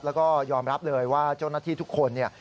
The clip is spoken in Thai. แล้วก็ยอมรับเลยว่าเจ้าหน้าที่ทุกคนเนี่ย